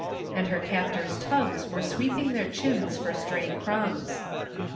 And her captors' tongues were sweeping their chins for stray crumbs.